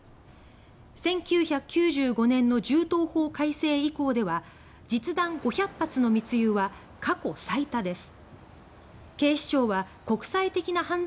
１９９５年の銃刀法改正以降では実弾５００発の密輸は過去最多です。